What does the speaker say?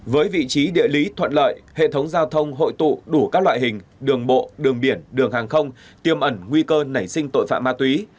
với vị trí địa lý thuận lợi hệ thống giao thông hội tụ đủ các loại hình đường bộ đường biển đường hàng không tiêm ẩn nguy cơ nảy sinh tội phạm ma túy